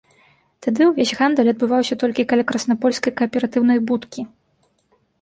Тады ўвесь гандаль адбываўся толькі каля краснапольскай кааператыўнай будкі.